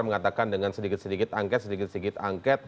mengatakan dengan sedikit sedikit angket sedikit sedikit angket